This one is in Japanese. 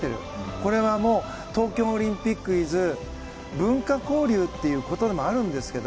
これは東京オリンピックｉｓ文化交流ということでもあるんですけど